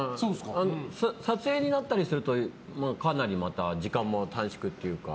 撮影になったりするとかなり時間も短縮するというか。